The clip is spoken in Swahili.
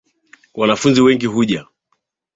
Wanafunzi wengi huja